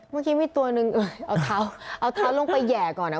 เมื่อกี้มีตัวหนึ่งเอาเท้าเอาเท้าลงไปแห่ก่อนอ่ะ